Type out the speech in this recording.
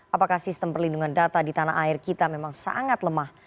apakah sistem perlindungan data di tanah air kita memang sangat lemah